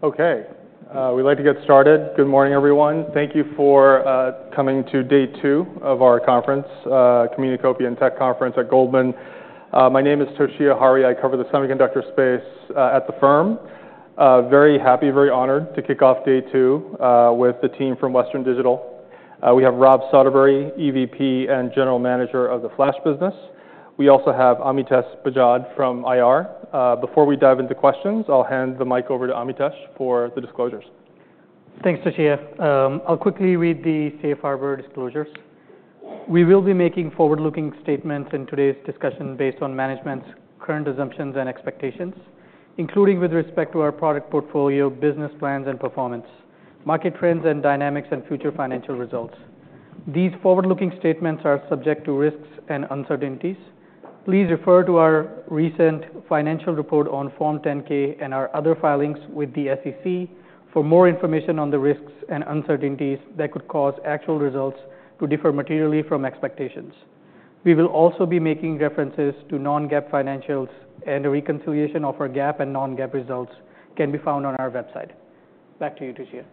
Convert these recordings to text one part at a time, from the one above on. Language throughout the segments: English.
Okay, we'd like to get started. Good morning, everyone. Thank you for coming to day two of our conference, Communacopia and Tech Conference at Goldman. My name is Toshiya Hari, I cover the semiconductor space, at the firm. Very happy, very honored to kick off day two, with the team from Western Digital. We have Rob Soderbery, EVP and General Manager of the Flash business. We also have Amitesh Bajad from IR. Before we dive into questions, I'll hand the mic over to Amitesh for the disclosures. Thanks, Toshiya. I'll quickly read the safe harbor disclosures. We will be making forward-looking statements in today's discussion based on management's current assumptions and expectations, including with respect to our product portfolio, business plans and performance, market trends and dynamics, and future financial results. These forward-looking statements are subject to risks and uncertainties. Please refer to our recent financial report on Form 10-K and our other filings with the SEC for more information on the risks and uncertainties that could cause actual results to differ materially from expectations. We will also be making references to non-GAAP financials, and a reconciliation of our GAAP and non-GAAP results can be found on our website. Back to you, Toshiya.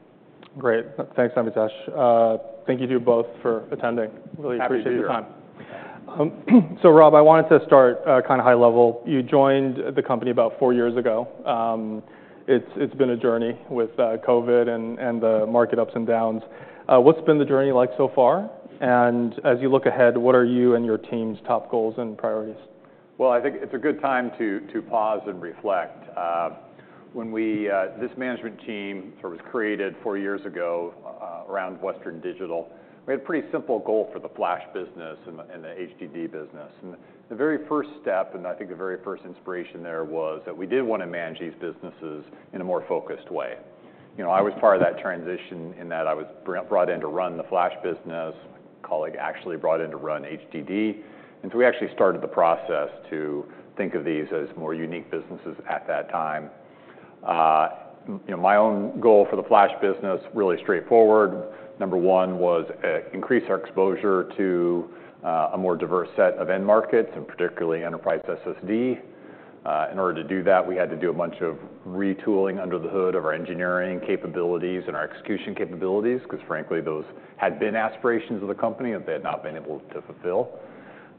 Great. Thanks, Amitesh. Thank you to you both for attending. Happy to be here. Really appreciate the time. So, Rob, I wanted to start kind of high level. You joined the company about four years ago. It's been a journey with COVID and the market ups and downs. What's been the journey like so far? And as you look ahead, what are you and your team's top goals and priorities? I think it's a good time to pause and reflect. When this management team sort of was created four years ago around Western Digital, we had a pretty simple goal for the Flash business and the HDD business. The very first step, and I think the very first inspiration there, was that we did want to manage these businesses in a more focused way. You know, I was part of that transition in that I was brought in to run the Flash business, colleague actually brought in to run HDD. So we actually started the process to think of these as more unique businesses at that time. You know, my own goal for the Flash business, really straightforward. Number one was increase our exposure to a more diverse set of end markets, and particularly enterprise SSD. In order to do that, we had to do a bunch of retooling under the hood of our engineering capabilities and our execution capabilities, because frankly, those had been aspirations of the company that they had not been able to fulfill.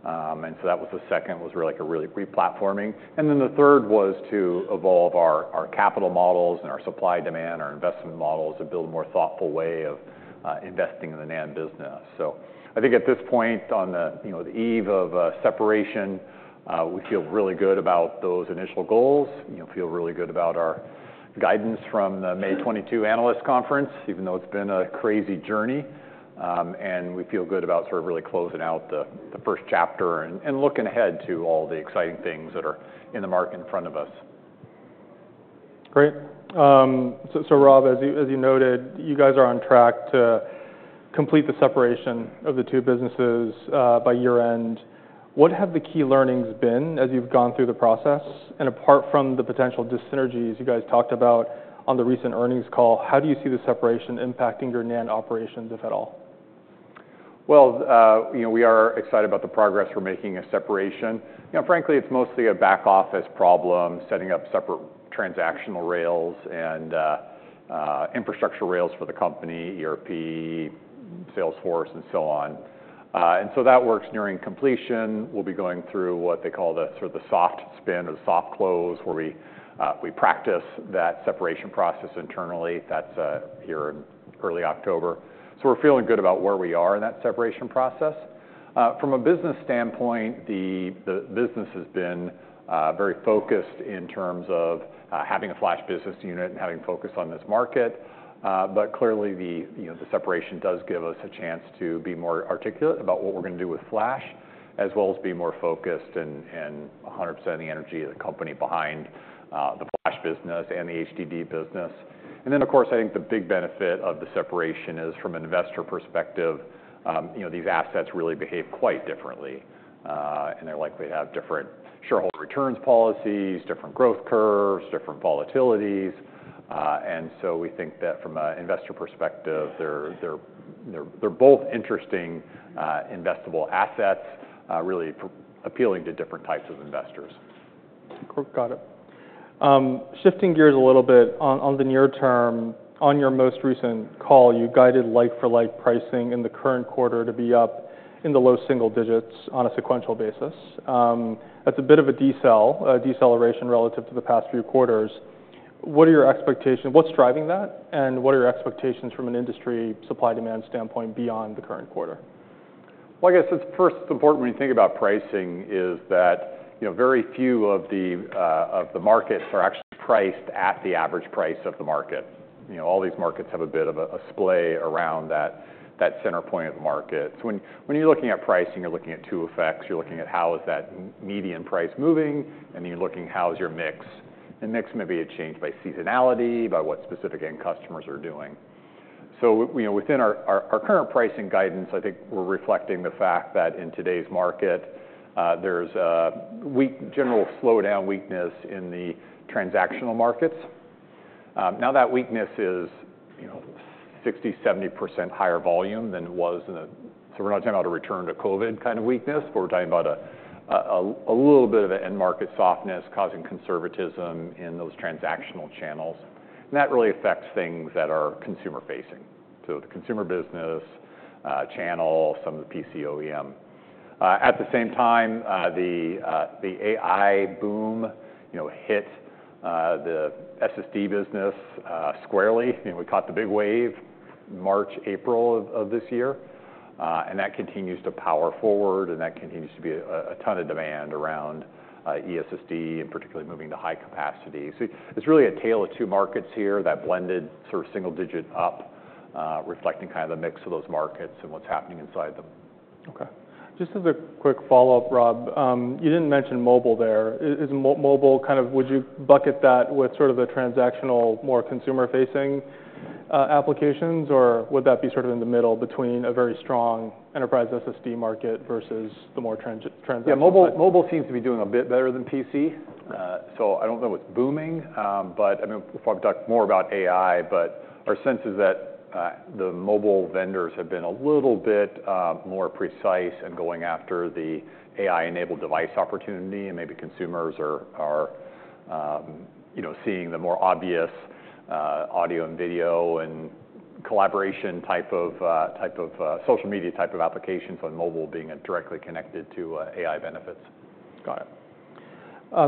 And so that was the second, was really, like, a really re-platforming. And then the third was to evolve our capital models and our supply demand, our investment models, to build a more thoughtful way of investing in the NAND business. So I think at this point, on the, you know, the eve of separation, we feel really good about those initial goals. You know, feel really good about our guidance from the May 2022 analyst conference, even though it's been a crazy journey. And we feel good about sort of really closing out the first chapter and looking ahead to all the exciting things that are in the market in front of us. Great. So Rob, as you noted, you guys are on track to complete the separation of the two businesses by year-end. What have the key learnings been as you've gone through the process? And apart from the potential dyssynergies you guys talked about on the recent earnings call, how do you see the separation impacting your NAND operations, if at all? You know, we are excited about the progress we're making in separation. You know, frankly, it's mostly a back office problem, setting up separate transactional rails and infrastructure rails for the company, ERP, Salesforce, and so on, and so that work's nearing completion. We'll be going through what they call the sort of soft spin or the soft close, where we practice that separation process internally. That's here in early October, so we're feeling good about where we are in that separation process. From a business standpoint, the business has been very focused in terms of having a Flash business unit and having focus on this market. But clearly, you know, the separation does give us a chance to be more articulate about what we're gonna do with Flash, as well as be more focused and 100% of the energy of the company behind the Flash business and the HDD business. And then, of course, I think the big benefit of the separation is, from an investor perspective, you know, these assets really behave quite differently, and they're likely to have different shareholder returns policies, different growth curves, different volatilities. And so we think that from an investor perspective, they're both interesting, investable assets, really appealing to different types of investors. Cool. Got it. Shifting gears a little bit. On the near term, on your most recent call, you guided like-for-like pricing in the current quarter to be up in the low single digits on a sequential basis. That's a bit of a deceleration relative to the past few quarters. What are your expectations? What's driving that, and what are your expectations from an industry supply-demand standpoint beyond the current quarter? Well, I guess it's first important when you think about pricing, is that, you know, very few of the markets are actually priced at the average price of the market. You know, all these markets have a bit of a splay around that center point of the market. So when you're looking at pricing, you're looking at two effects. You're looking at how is that median price moving, and you're looking, how is your mix? The mix may be changed by seasonality, by what specific end customers are doing. So you know, within our current pricing guidance, I think we're reflecting the fact that in today's market, there's a weak general slowdown weakness in the transactional markets. Now, that weakness is, you know. 60%-70% higher volume than it was in a so we're not talking about a return to COVID kind of weakness, but we're talking about a little bit of an end market softness causing conservatism in those transactional channels. And that really affects things that are consumer-facing. So the consumer business, channel, some of the PC OEM. At the same time, the AI boom, you know, hit the SSD business squarely, and we caught the big wave March, April of this year. And that continues to power forward, and that continues to be a ton of demand around ESSD, and particularly moving to high capacity. So it's really a tale of two markets here that blended sort of single digit up, reflecting kind of the mix of those markets and what's happening inside them. Okay. Just as a quick follow-up, Rob, you didn't mention mobile there. Is mobile kind of, would you bucket that with sort of the transactional, more consumer-facing applications, or would that be sort of in the middle between a very strong enterprise SSD market versus the more transactional? Yeah, mobile seems to be doing a bit better than PC. So I don't know if it's booming, but I mean, we'll probably talk more about AI, but our sense is that the mobile vendors have been a little bit more precise in going after the AI-enabled device opportunity, and maybe consumers are, you know, seeing the more obvious audio and video and collaboration type of social media type of applications on mobile being directly connected to AI benefits. Got it.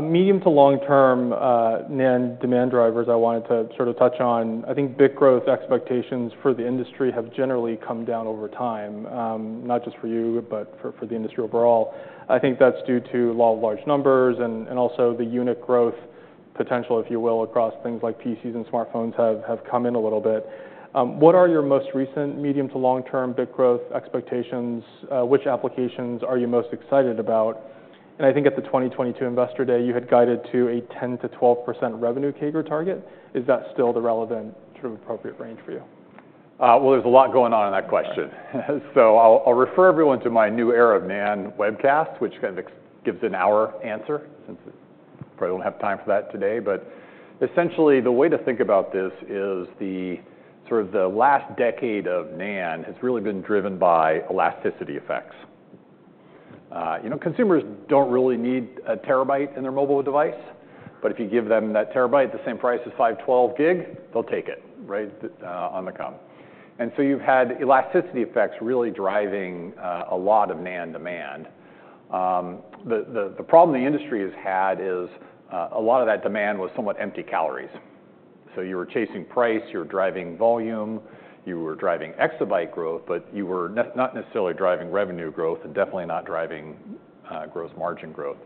Medium to long-term NAND demand drivers, I wanted to sort of touch on. I think bit growth expectations for the industry have generally come down over time, not just for you, but for the industry overall. I think that's due to law of large numbers and also the unit growth potential, if you will, across things like PCs and smartphones have come in a little bit. What are your most recent medium to long-term bit growth expectations? Which applications are you most excited about? And I think at the 2022 Investor Day, you had guided to a 10%-12% revenue CAGR target. Is that still the relevant sort of appropriate range for you? Well, there's a lot going on in that question. So I'll refer everyone to my new era of NAND webcast, which kind of gives an hour answer, since we probably don't have time for that today. But essentially, the way to think about this is sort of the last decade of NAND has really been driven by elasticity effects. You know, consumers don't really need a terabyte in their mobile device, but if you give them that terabyte at the same price as five twelve gig, they'll take it, right? On the come. And so you've had elasticity effects really driving a lot of NAND demand. The problem the industry has had is a lot of that demand was somewhat empty calories. So you were chasing price, you were driving volume, you were driving exabyte growth, but you were not necessarily driving revenue growth and definitely not driving gross margin growth.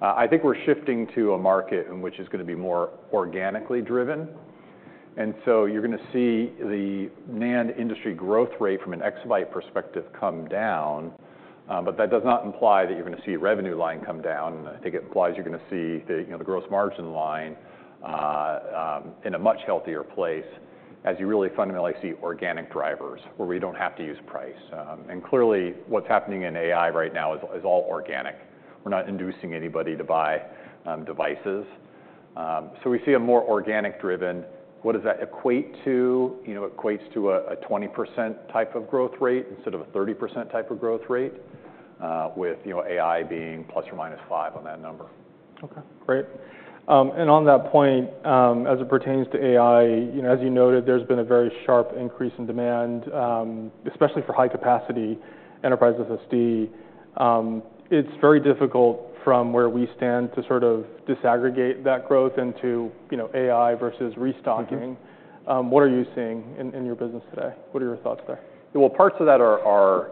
I think we're shifting to a market in which is gonna be more organically driven. And so you're gonna see the NAND industry growth rate from an exabyte perspective come down, but that does not imply that you're gonna see a revenue line come down. I think it implies you're gonna see the, you know, the gross margin line in a much healthier place as you really fundamentally see organic drivers, where we don't have to use price. And clearly, what's happening in AI right now is all organic. We're not inducing anybody to buy devices. So we see a more organic-driven. What does that equate to? You know, equates to a 20% type of growth rate instead of a 30% type of growth rate, with, you know, AI being plus or minus five on that number. Okay, great. And on that point, as it pertains to AI, you know, as you noted, there's been a very sharp increase in demand, especially for high-capacity enterprise SSD. It's very difficult from where we stand to sort of disaggregate that growth into, you know, AI versus restocking. What are you seeing in your business today? What are your thoughts there? Well, parts of that are.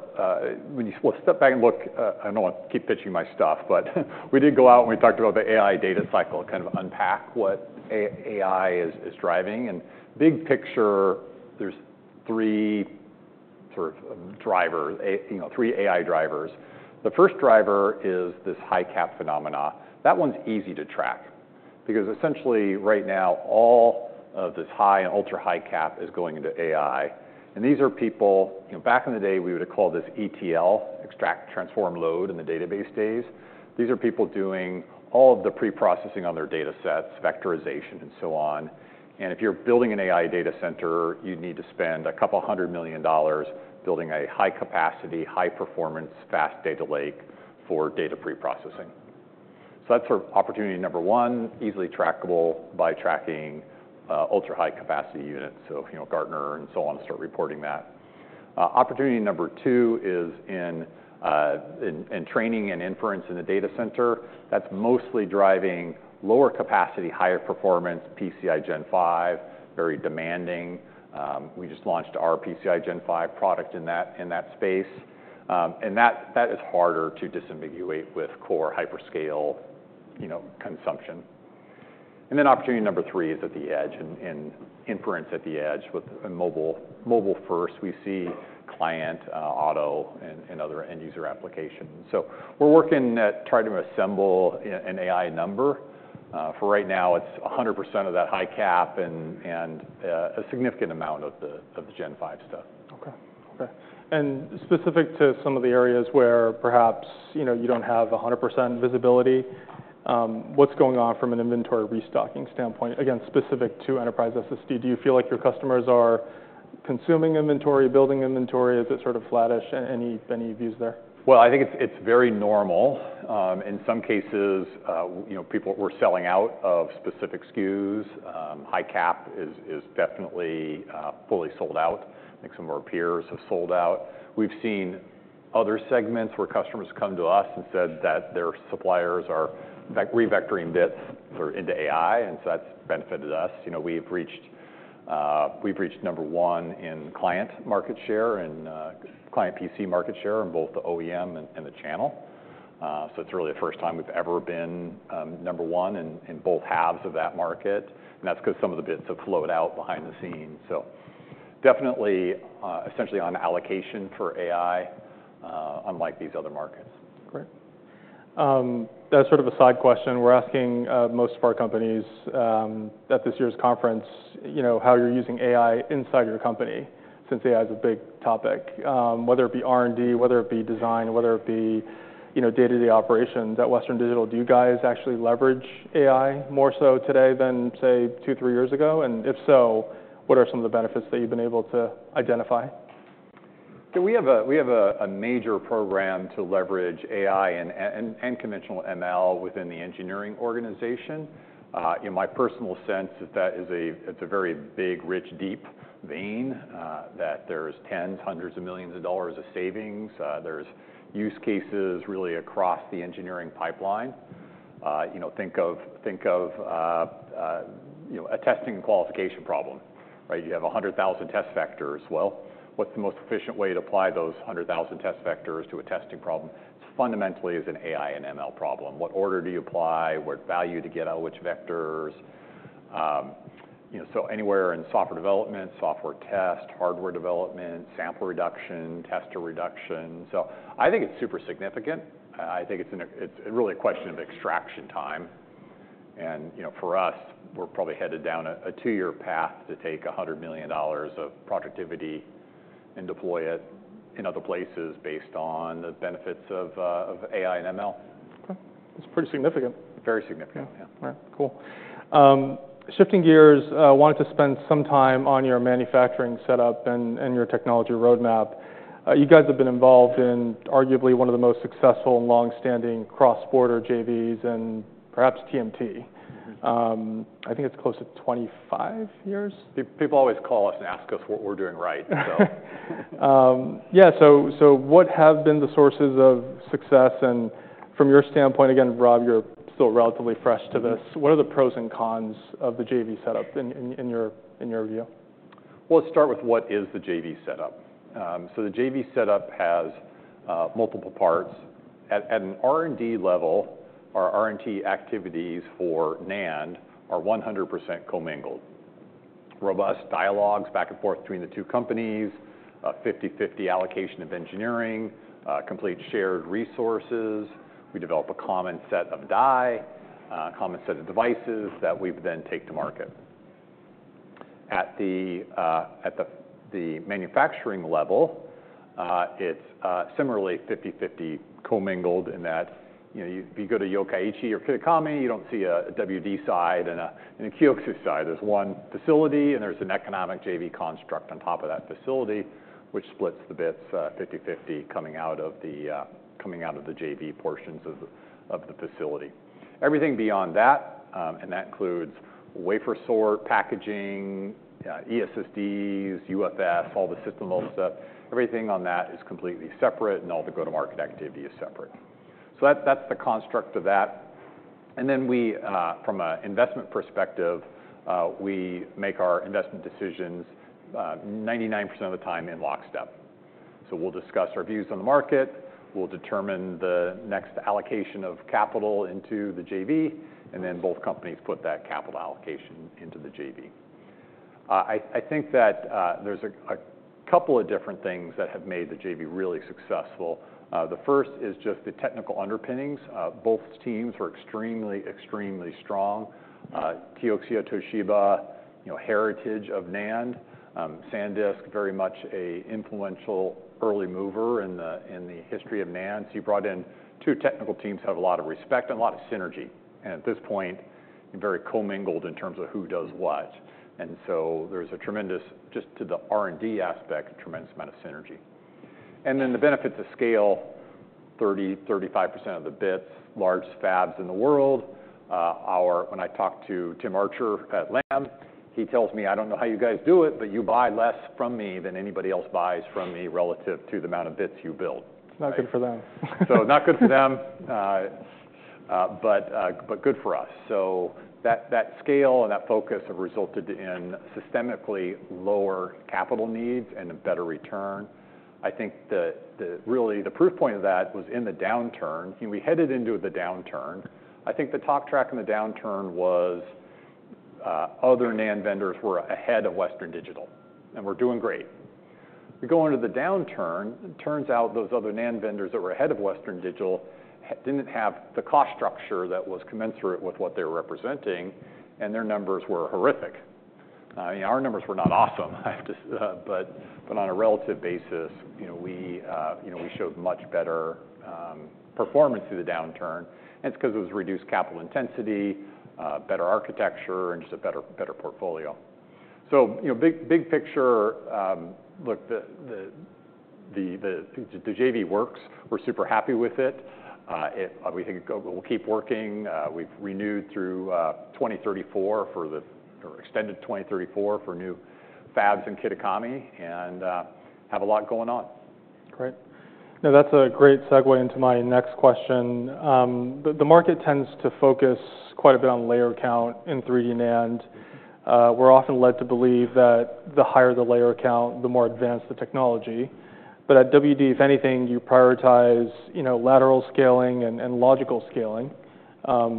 When you step back and look, I don't want to keep pitching my stuff, but we did go out, and we talked about the AI data cycle, kind of unpack what AI is driving. Big picture, there's three sort of drivers, you know, three AI drivers. The first driver is this high cap phenomena. That one's easy to track because essentially, right now, all of this high and ultra-highcap is going into AI. These are people, you know, back in the day, we would have called this ETL, extract, transform, load, in the database days. These are people doing all of the preprocessing on their datasets, vectorization, and so on. And if you're building an AI data center, you'd need to spend $200 million building a high-capacity, high-performance, fast data lake for data preprocessing. So that's for opportunity number one, easily trackable by tracking ultra-high-capacity units. So, you know, Gartner and so on, start reporting that. Opportunity number two is in training and inference in the data center. That's mostly driving lower capacity, higher performance, PCIe Gen 5, very demanding. We just launched our PCIe Gen 5 product in that space. And that is harder to disambiguate with core hyperscale, you know, consumption. And then opportunity number three is at the edge and inference at the edge with mobile, mobile first. We see client, auto and other end user applications. So we're working at trying to assemble an AI number. For right now, it's 100% of that high CAP and a significant amount of the Gen 5 stuff. Okay. And specific to some of the areas where perhaps, you know, you don't have 100% visibility, what's going on from an inventory restocking standpoint? Again, specific to enterprise SSD. Do you feel like your customers are consuming inventory, building inventory? Is it sort of flattish? Any views there? I think it's very normal. In some cases, you know, people were selling out of specific SKUs. High cap is definitely fully sold out. I think some of our peers have sold out. We've seen other segments where customers come to us and said that their suppliers are, like, re-vectoring bits for into AI, and so that's benefited us. You know, we've reached number one in client market share and client PC market share in both the OEM and the channel. So it's really the first time we've ever been number one in both halves of that market, and that's 'cause some of the bits have flowed out behind the scenes. So definitely essentially on allocation for AI unlike these other markets. Great. That's sort of a side question. We're asking most of our companies at this year's conference, you know, how you're using AI inside your company, since AI is a big topic, whether it be R&D, whether it be design, whether it be, you know, day-to-day operations at Western Digital. Do you guys actually leverage AI more so today than, say, two, three years ago? And if so, what are some of the benefits that you've been able to identify? Yeah, we have a major program to leverage AI and conventional ML within the engineering organization. In my personal sense, that is a very big, rich, deep vein that there's tens, hundreds of millions of dollars of savings. There's use cases really across the engineering pipeline. You know, think of a testing qualification problem, right? You have 100,000 test vectors. Well, what's the most efficient way to apply those 100,000 test vectors to a testing problem? Fundamentally, it's an AI and ML problem. What order do you apply? What value to get out of which vectors? You know, so anywhere in software development, software test, hardware development, sample reduction, tester reduction. So I think it's super significant. I think it's really a question of extraction time, and you know, for us, we're probably headed down a two-year path to take $100 million of productivity and deploy it in other places based on the benefits of AI and ML. Okay. It's pretty significant. Very significant. All right, cool. Shifting gears, I wanted to spend some time on your manufacturing setup and your technology roadmap. You guys have been involved in arguably one of the most successful, long-standing cross-border JVs and perhaps TMT. I think it's close to 25 years? People always call us and ask us what we're doing right, so. Yeah, so what have been the sources of success, and from your standpoint, again, Rob, you're still relatively fresh to this what are the pros and cons of the JV setup in your view? Let's start with what is the JV setup? The JV setup has multiple parts. At an R&D level, our R&D activities for NAND are 100% commingled. Robust dialogues back and forth between the two companies, 50/50 allocation of engineering, complete shared resources. We develop a common set of die, a common set of devices that we then take to market. At the manufacturing level, it's similarly 50/50 commingled in that, you know, if you go to Yokkaichi or Kitakami, you don't see a WD side and a Kioxia side. There's one facility, and there's an economic JV construct on top of that facility, which splits the bits, 50/50 coming out of the JV portions of the facility. Everything beyond that, and that includes wafer sort, packaging, ESSDs, UFS, all the system level stuff. Everything on that is completely separate, and all the go-to-market activity is separate. So that's, that's the construct of that. And then we, from a investment perspective, we make our investment decisions, 99% of the time in lockstep. So we'll discuss our views on the market, we'll determine the next allocation of capital into the JV, and then both companies put that capital allocation into the JV. I think that, there's a couple of different things that have made the JV really successful. The first is just the technical underpinnings. Both teams were extremely, extremely strong. Kioxia, Toshiba, you know, heritage of NAND. SanDisk, very much an influential early mover in the, in the history of NAND. You brought in two technical teams, have a lot of respect and a lot of synergy, and at this point, very commingled in terms of who does what. There's a tremendous, just to the R&D aspect, a tremendous amount of synergy. Then the benefits of scale, 30-35% of the bits, largest fabs in the world. Our, when I talked to Tim Archer at Lam, he tells me, "I don't know how you guys do it, but you buy less from me than anybody else buys from me relative to the amount of bits you build. It's not good for them. So not good for them, but, but good for us. So that scale and that focus have resulted in systemically lower capital needs and a better return. I think really, the proof point of that was in the downturn. When we headed into the downturn, I think the talk track in the downturn was, other NAND vendors were ahead of Western Digital, and we're doing great. We go into the downturn, it turns out those other NAND vendors that were ahead of Western Digital didn't have the cost structure that was commensurate with what they were representing, and their numbers were horrific. Our numbers were not awesome. I have to but on a relative basis, you know, we showed much better performance through the downturn, and it's because it was reduced capital intensity, better architecture, and just a better portfolio. So, you know, big picture, look, the JV works. We're super happy with it. We think it will keep working. We've renewed through 2024 or extended to 2034 for new fabs in Kitakami, and have a lot going on. Great. Now, that's a great segue into my next question. The market tends to focus quite a bit on layer count in 3D NAND. We're often led to believe that the higher the layer count, the more advanced the technology. But at WD, if anything, you prioritize, you know, lateral scaling and logical scaling, while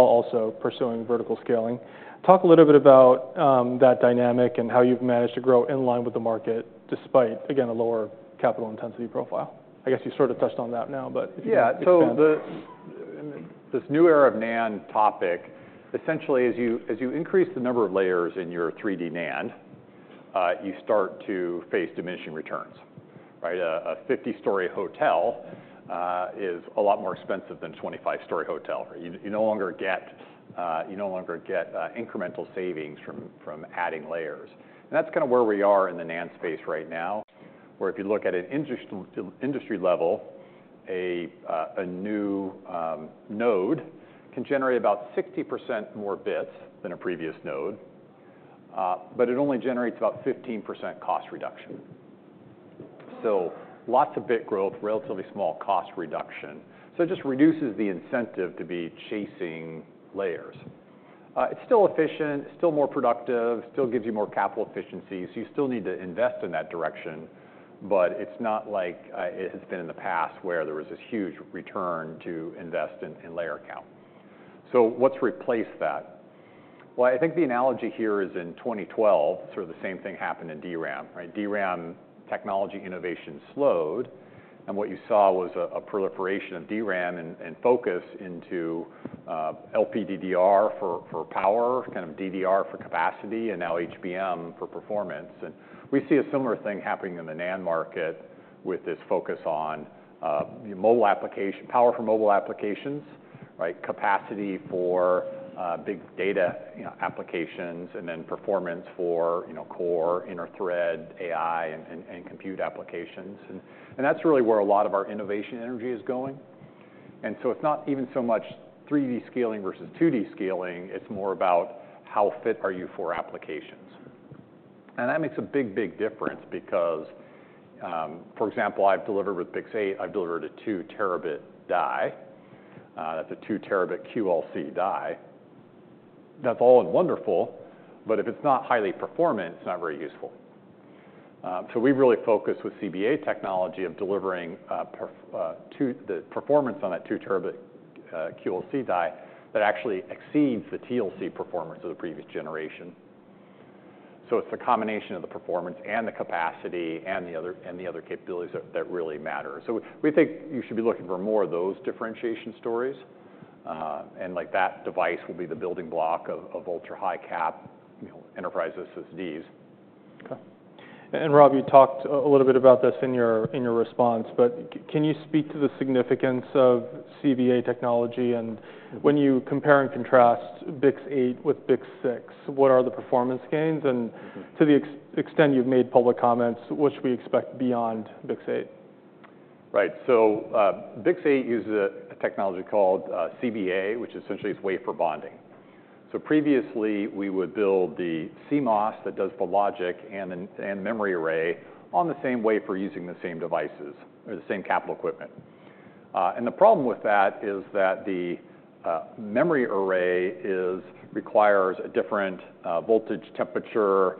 also pursuing vertical scaling. Talk a little bit about that dynamic and how you've managed to grow in line with the market, despite, again, a lower capital intensity profile. I guess you sort of touched on that now, but if you can expand. Yeah. So this new era of NAND topic, essentially, as you increase the number of layers in your 3D NAND, you start to face diminishing returns, right? A 50-story hotel is a lot more expensive than a 25-story hotel. You no longer get, you no longer get incremental savings from adding layers. And that's kind of where we are in the NAND space right now, where if you look at an industry-to-industry level, a new node can generate about 60% more bits than a previous node, but it only generates about 15% cost reduction. So lots of bit growth, relatively small cost reduction, so it just reduces the incentive to be chasing layers. It's still efficient, still more productive, still gives you more capital efficiency, so you still need to invest in that direction, but it's not like it has been in the past, where there was this huge return to invest in layer count. So what's replaced that? Well, I think the analogy here is in 2012, sort of the same thing happened in DRAM, right? DRAM technology innovation slowed, and what you saw was a proliferation of DRAM and focus into LPDDR for power, kind of DDR for capacity, and now HBM for performance. And we see a similar thing happening in the NAND market with this focus on power for mobile applications, right? Capacity for big data, you know, applications, and then performance for, you know, core enterprise AI and compute applications. And that's really where a lot of our innovation energy is going. So it's not even so much 3D scaling versus 2D scaling. It's more about how fit are you for applications. That makes a big, big difference because, for example, I've delivered with BiCS8. I've delivered a two terabit die. That's a two terabit QLC die. That's all well and good, but if it's not highly performant, it's not very useful. So we've really focused with CBA technology on delivering the performance on that two terabit QLC die that actually exceeds the TLC performance of the previous generation. It's a combination of the performance and the capacity, and the other capabilities that really matter. We think you should be looking for more of those differentiation stories. Like, that device will be the building block of ultra-high cap, you know, enterprise SSDs. Okay. And Rob, you talked a little bit about this in your response, but can you speak to the significance of CBA technology? When you compare and contrast BiCS8 with BiCS6, what are the performance gains? To the extent you've made public comments, what should we expect beyond BiCS8? Right. So, BiCS8 uses a technology called CBA, which essentially is wafer bonding. So previously, we would build the CMOS that does the logic and memory array on the same wafer using the same devices or the same capital equipment. And the problem with that is that the memory array requires a different voltage, temperature,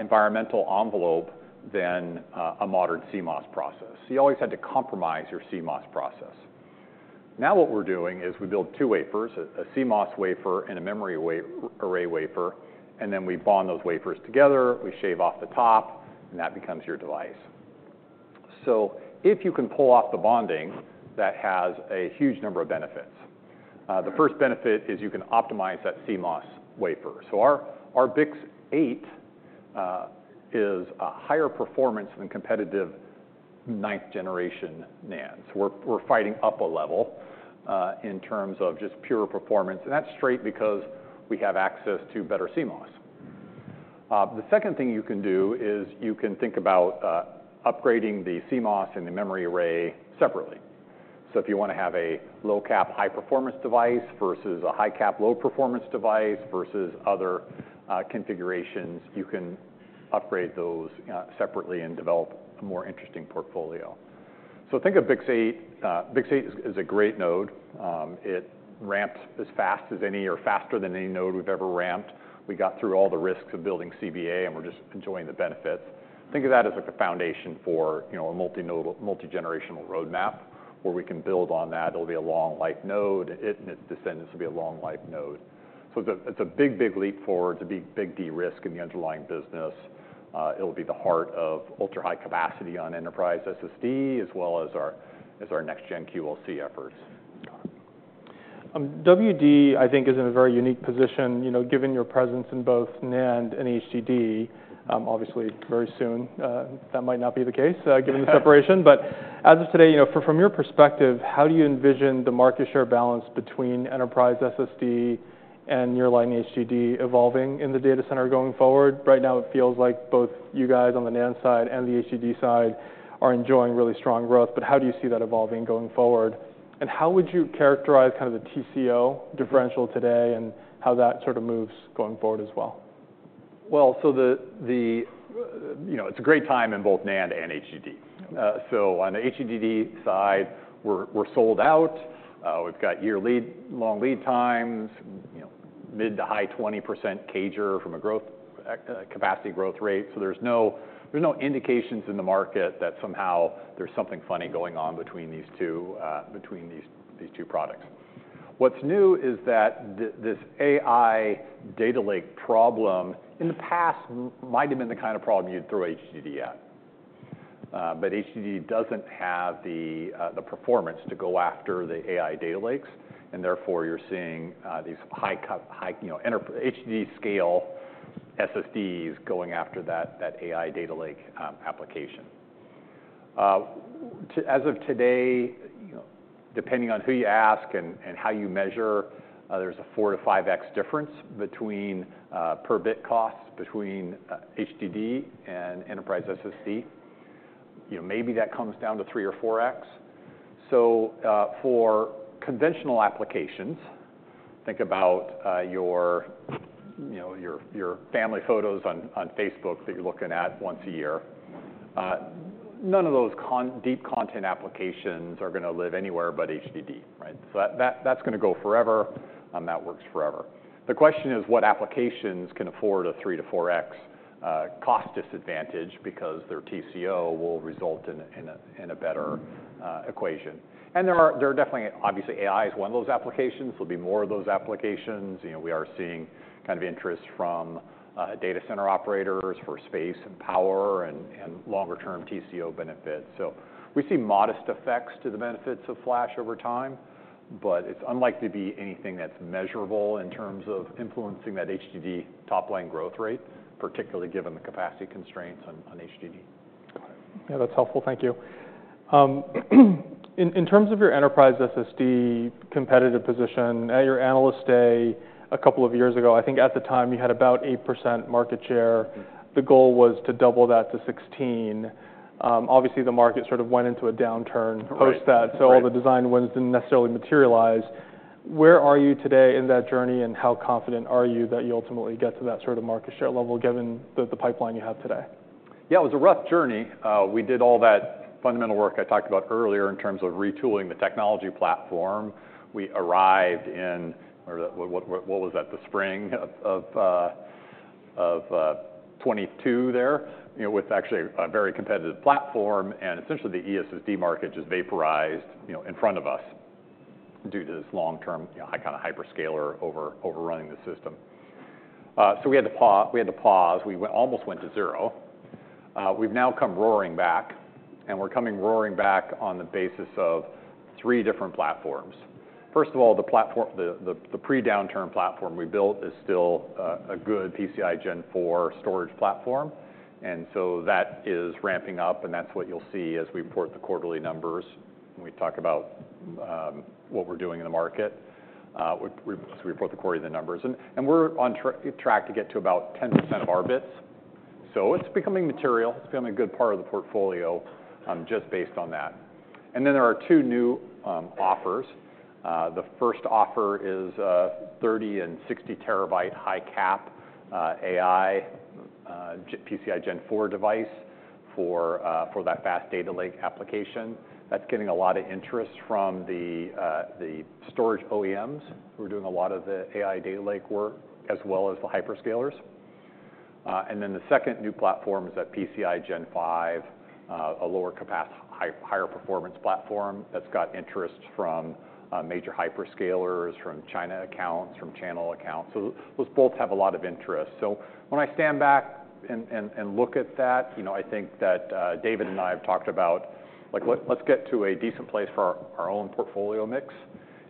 environmental envelope than a modern CMOS process. You always had to compromise your CMOS process. Now, what we're doing is we build two wafers, a CMOS wafer and a memory array wafer, and then we bond those wafers together, we shave off the top, and that becomes your device. So if you can pull off the bonding, that has a huge number of benefits. The first benefit is you can optimize that CMOS wafer. So our BiCS8 is a higher performance than competitive ninth-generation NANDs. So we're fighting up a level in terms of just pure performance, and that's straight because we have access to better CMOS. The second thing you can do is you can think about upgrading the CMOS and the memory array separately. So if you want to have a low-cap, high-performance device versus a high-cap, low-performance device versus other configurations, you can upgrade those separately and develop a more interesting portfolio. So think of BiCS8 as a great node. It ramps as fast as any or faster than any node we've ever ramped. We got through all the risks of building CBA, and we're just enjoying the benefits. Think of that as, like, a foundation for, you know, a multi-generational roadmap, where we can build on that. It'll be a long-life node, it and its descendants will be a long-life node. So it's a, it's a big, big leap forward. It's a big, big de-risk in the underlying business. It'll be the heart of ultra-high capacity on enterprise SSD, as well as our, as our next gen QLC efforts. WD, I think, is in a very unique position, you know, given your presence in both NAND and HDD. Obviously, very soon, that might not be the case, given the separation, but as of today, you know, from your perspective, how do you envision the market share balance between enterprise SSD and nearline HDD evolving in the data center going forward? Right now, it feels like both you guys on the NAND side and the HDD side are enjoying really strong growth, but how do you see that evolving going forward? And how would you characterize kind of the TCO differential today and how that sort of moves going forward as well? You know, it's a great time in both NAND and HDD. So on the HDD side, we're sold out. We've got long lead times, you know, mid-to-high 20% CAGR from a capacity growth rate. So there's no indications in the market that somehow there's something funny going on between these two products. What's new is that this AI data lake problem, in the past, might have been the kind of problem you'd throw HDD at. But HDD doesn't have the performance to go after the AI data lakes, and therefore, you're seeing these high-capacity, you know, enterprise HDD-scale SSDs going after that AI data lake application. As of today, you know, depending on who you ask and how you measure, there's a four to five X difference between per bit costs between HDD and enterprise SSD. You know, maybe that comes down to three or four X. So, for conventional applications, think about your, you know, your family photos on Facebook that you're looking at once a year. None of those deep content applications are gonna live anywhere but HDD, right? So that, that's gonna go forever, and that works forever. The question is, what applications can afford a three to four X cost disadvantage because their TCO will result in a better equation? And there are definitely, obviously, AI is one of those applications. There'll be more of those applications. You know, we are seeing kind of interest from data center operators for space and power and longer-term TCO benefits, so we see modest effects to the benefits of flash over time, but it's unlikely to be anything that's measurable in terms of influencing that HDD top-line growth rate, particularly given the capacity constraints on HDD. Got it. Yeah, that's helpful. Thank you. In terms of your enterprise SSD competitive position, at your Analyst Day, a couple of years ago, I think at the time, you had about 8% market share. The goal was to double that to sixteen. Obviously, the market sort of went into a downturn post that. So all the design wins didn't necessarily materialize. Where are you today in that journey, and how confident are you that you'll ultimately get to that sort of market share level, given the pipeline you have today? Yeah, it was a rough journey. We did all that fundamental work I talked about earlier in terms of retooling the technology platform. We arrived in the spring of twenty twenty-two there, you know, with actually a very competitive platform, and essentially, the eSSD market just vaporized, you know, in front of us due to this long-term, you know, high kind of hyperscaler overrunning the system. So we had to pause. We almost went to zero. We've now come roaring back, and we're coming roaring back on the basis of three different platforms. First of all, the platform, the pre-downturn platform we built is still a good PCIE Gen4 storage platform, and so that is ramping up, and that's what you'll see as we report the quarterly numbers when we talk about what we're doing in the market. We're on track to get to about 10% of our bits, so it's becoming material. It's becoming a good part of the portfolio, just based on that. Then, there are two new offers. The first offer is 30TB and 60TB high-capacity AI JBOD PCIe Gen4 device for that fast data lake application. That's getting a lot of interest from the, the storage OEMs, who are doing a lot of the AI data lake work, as well as the hyperscalers. And then, the second new platform is that PCIe Gen5, a lower capacity, higher performance platform that's got interest from, major hyperscalers, from China accounts, from channel accounts. So those both have a lot of interest. So when I stand back and look at that, you know, I think that, David and I have talked about, like, let's get to a decent place for our own portfolio mix,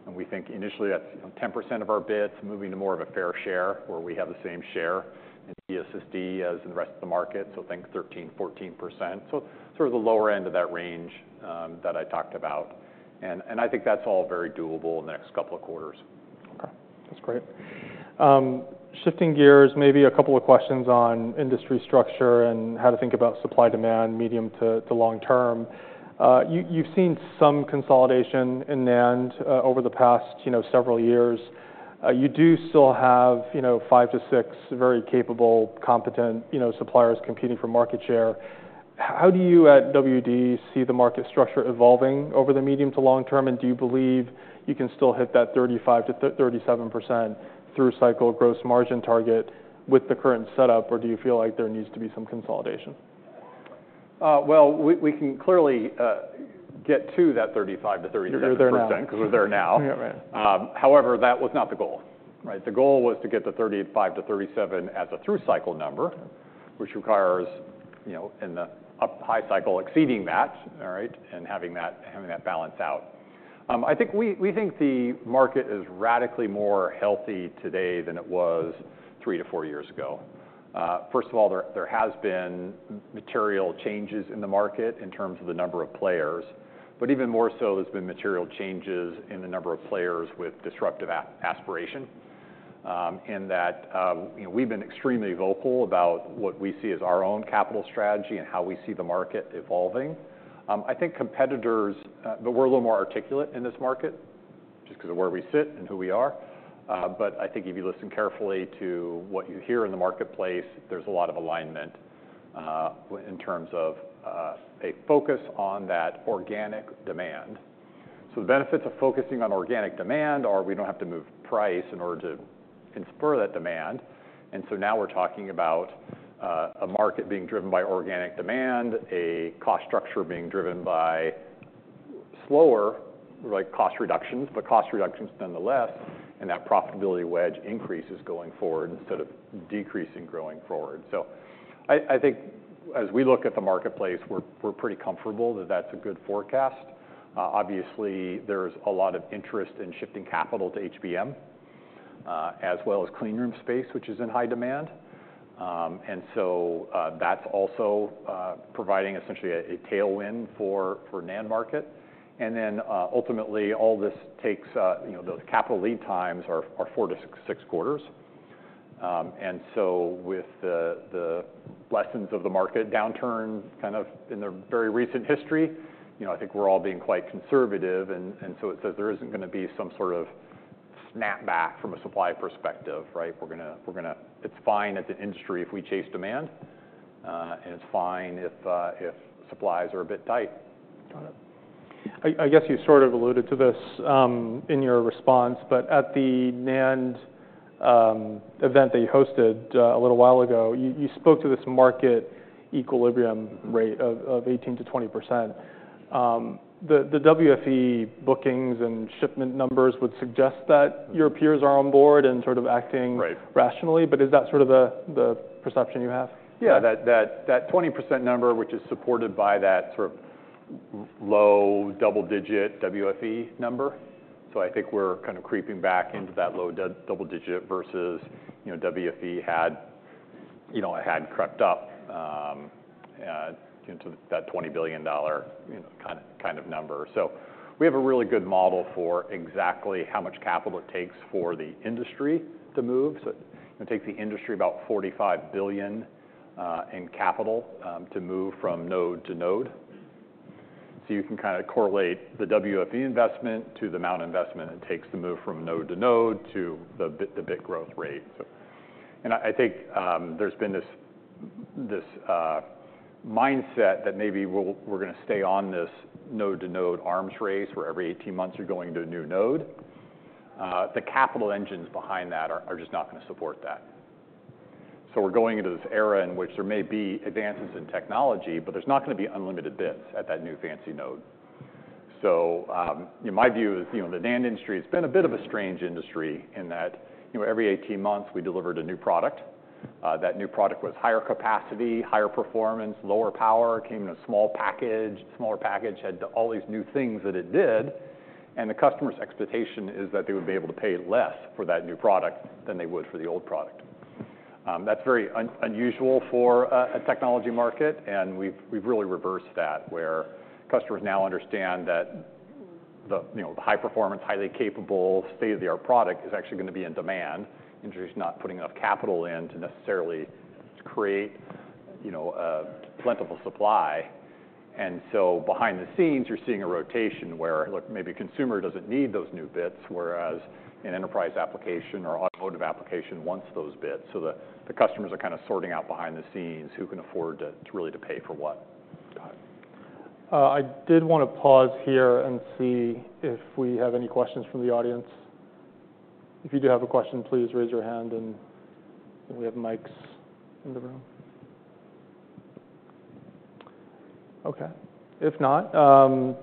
and we think initially that's, you know, 10% of our bits moving to more of a fair share, where we have the same share in the eSSD as in the rest of the market, so I think 13%-14%. So sort of the lower end of that range, that I talked about. And I think that's all very doable in the next couple of quarters. Okay, that's great. Shifting gears, maybe a couple of questions on industry structure and how to think about supply-demand, medium to long term. You've seen some consolidation in NAND over the past, you know, several years. You do still have, you know, five to six very capable, competent, you know, suppliers competing for market share. How do you, at WD, see the market structure evolving over the medium to long term? And do you believe you can still hit that 35%-37% through cycle gross margin target with the current setup, or do you feel like there needs to be some consolidation? Well, we can clearly get to that 35%-37%- You're there now. Because we're there now. However, that was not the goal. Right, the goal was to get to 35-37 as a through cycle number, which requires, you know, in the up high cycle exceeding that, all right? Having that balance out. I think we think the market is radically more healthy today than it was 3-4 years ago. First of all, there has been material changes in the market in terms of the number of players, but even more so, there's been material changes in the number of players with disruptive aspiration. And that, you know, we've been extremely vocal about what we see as our own capital strategy and how we see the market evolving. I think competitors, but we're a little more articulate in this market just 'cause of where we sit and who we are, but I think if you listen carefully to what you hear in the marketplace, there's a lot of alignment in terms of a focus on that organic demand, so the benefits of focusing on organic demand are we don't have to move price in order to confer that demand, and so now we're talking about a market being driven by organic demand, a cost structure being driven by slower, like, cost reductions, but cost reductions nonetheless, and that profitability wedge increases going forward instead of decreasing growing forward, so I think as we look at the marketplace, we're pretty comfortable that that's a good forecast. Obviously, there's a lot of interest in shifting capital to HBM, as well as clean room space, which is in high demand. And so, that's also providing essentially a tailwind for NAND market. And then, ultimately, all this takes, you know, the capital lead times are four to six quarters. And so with the lessons of the market downturn, kind of in their very recent history, you know, I think we're all being quite conservative and so it says there isn't gonna be some sort of snap back from a supply perspective, right? It's fine at the industry if we chase demand, and it's fine if supplies are a bit tight. Got it. I guess you sort of alluded to this in your response, but at the NAND event that you hosted a little while ago, you spoke to this market equilibrium rate of 18%-20%. The WFE bookings and shipment numbers would suggest that your peers are on board and sort of acting rationally, but is that sort of the, the perception you have? Yeah, that 20% number, which is supported by that sort of low double digit WFE number. So I think we're kind of creeping back into that low double digit versus, you know, WFE had, you know, had crept up into that $20 billion, you know, kind of number. So we have a really good model for exactly how much capital it takes for the industry to move. So it takes the industry about $45 billion in capital to move from node to node. So you can kind of correlate the WFE investment to the amount of investment it takes to move from node to node, to the bit, the bit growth rate, so. I think there's been this mindset that maybe we're gonna stay on this node-to-node arms race, where every 18 months you're going to a new node. The capital engines behind that are just not gonna support that. We're going into this era in which there may be advances in technology, but there's not gonna be unlimited bits at that new fancy node. In my view, you know, the NAND industry has been a bit of a strange industry in that, you know, every 18 months, we delivered a new product. That new product was higher capacity, higher performance, lower power, came in a small package, smaller package, had all these new things that it did, and the customer's expectation is that they would be able to pay less for that new product than they would for the old product. That's very unusual for a technology market, and we've really reversed that, where customers now understand that the, you know, the high performance, highly capable, state-of-the-art product is actually gonna be in demand. Industry's not putting enough capital in to necessarily create, you know, a plentiful supply. And so behind the scenes, you're seeing a rotation where, look, maybe a consumer doesn't need those new bits, whereas an enterprise application or automotive application wants those bits. So the customers are kind of sorting out behind the scenes, who can afford to really pay for what? Got it. I did wanna pause here and see if we have any questions from the audience. If you do have a question, please raise your hand and we have mics in the room. Okay, if not,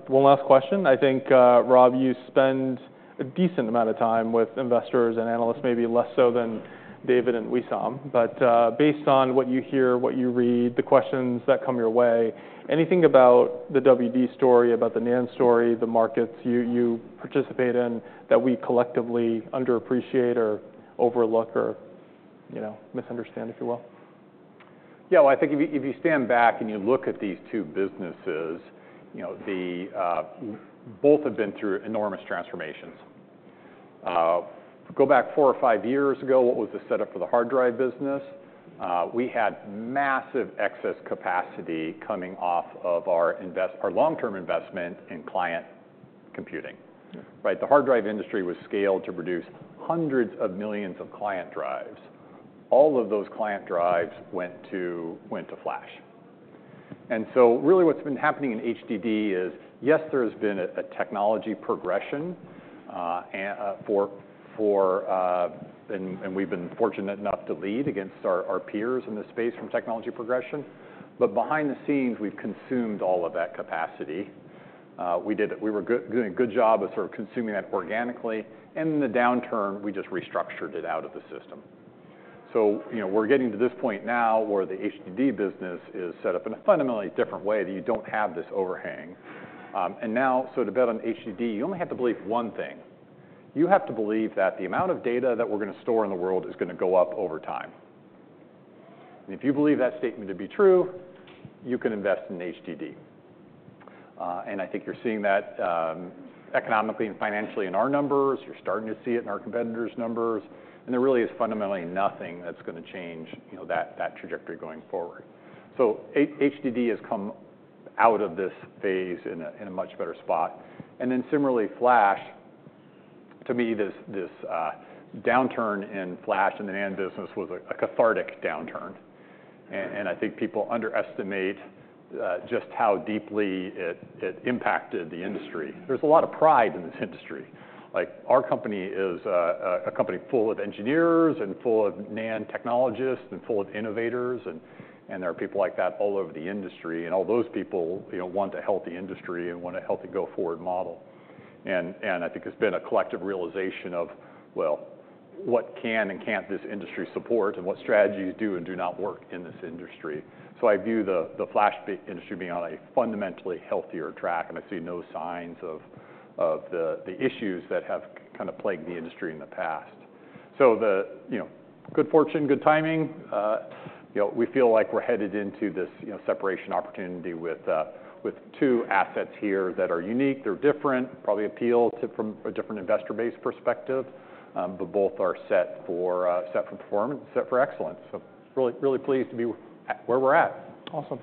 one last question. I think, Rob, you spend a decent amount of time with investors and analysts, maybe less so than David and Wissam, but, based on what you hear, what you read, the questions that come your way, anything about the WD story, about the NAND story, the markets you participate in, that we collectively underappreciate or overlook or, you know, misunderstand, if you will? Yeah, well, I think if you stand back and you look at these two businesses, you know, both have been through enormous transformations. Go back four or five years ago, what was the setup for the hard drive business? We had massive excess capacity coming off of our long-term investment in client computing. Right? The hard drive industry was scaled to produce hundreds of millions of client drives. All of those client drives went to flash, and so really what's been happening in HDD is, yes, there has been a technology progression, and we've been fortunate enough to lead against our peers in this space from technology progression, but behind the scenes, we've consumed all of that capacity. We were good doing a good job of sort of consuming that organically, and in the downturn, we just restructured it out of the system, so you know, we're getting to this point now where the HDD business is set up in a fundamentally different way, that you don't have this overhang, and now so to bet on HDD, you only have to believe one thing. You have to believe that the amount of data that we're going to store in the world is going to go up over time. And if you believe that statement to be true, you can invest in HDD. And I think you're seeing that economically and financially in our numbers. You're starting to see it in our competitors' numbers, and there really is fundamentally nothing that's going to change, you know, that trajectory going forward. So HDD has come out of this phase in a much better spot, and then similarly, flash, to me, this downturn in flash in the NAND business was a cathartic downturn. And I think people underestimate just how deeply it impacted the industry. There's a lot of pride in this industry. Like, our company is a company full of engineers and full of NAND technologists and full of innovators, and there are people like that all over the industry, and all those people, you know, want a healthy industry and want a healthy go-forward model, and I think it's been a collective realization of, well, what can and can't this industry support, and what strategies do and do not work in this industry? So I view the flash industry being on a fundamentally healthier track, and I see no signs of the issues that have kind of plagued the industry in the past. So the, you know, good fortune, good timing, you know, we feel like we're headed into this, you know, separation opportunity with two assets here that are unique, they're different, probably appeal to from a different investor base perspective. But both are set for performance, set for excellence. So really, really pleased to be at where we're at. Awesome.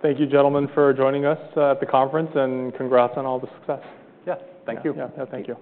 Thank you, gentlemen, for joining us at the conference, and congrats on all the success. Yeah. Thank you. Yeah. Thank you.